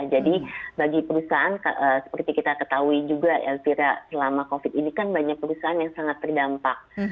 jadi bagi perusahaan seperti kita ketahui juga elvira selama covid ini kan banyak perusahaan yang sangat terdampak